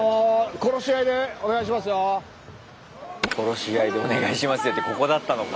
「殺し合いでお願いしますよ」ってここだったのか。